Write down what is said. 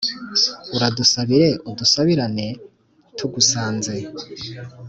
uradusabire dusubirane tugusange